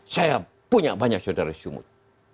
saya punya banyak saudara sumut